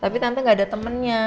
tapi tante gak ada temennya